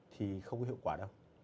thì không có hiệu quả đâu